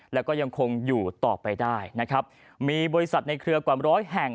แล้วก็ยังคงอยู่ต่อไปได้นะครับมีบริษัทในเครือกว่าร้อยแห่ง